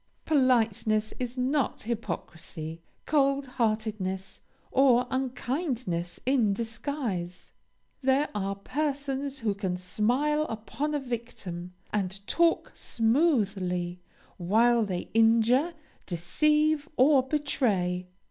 Politeness is not hypocrisy: cold heartedness, or unkindness in disguise. There are persons who can smile upon a victim, and talk smoothly, while they injure, deceive, or betray.